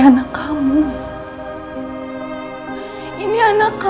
jangan lupa yogi dan jika tupang keluar